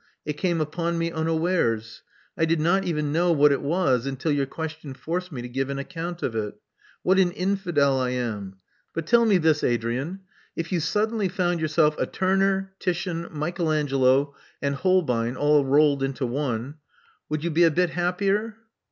It came upon me unawares. I did not even know what it was until your question forced me to give an account of it. What an infidel I am! But tell me this, Adrian. If you suddenly found yourself a Turner, Titian, Michael Angelo, and Holbein all rolled into one, would you be a bit happier?